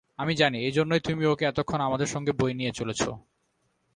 আমি জানি এইজন্যই তুমি ওকে এতক্ষণ আমাদের সঙ্গে বয়ে নিয়ে চলেছ!